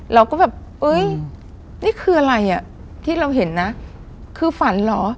เราก็แบบเอ้ยนี่คืออะไรอ่ะที่เราเห็นนะคือฝันเหรอ